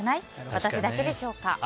私だけでしょうか。